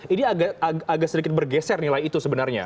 ini agak sedikit bergeser nilai itu sebenarnya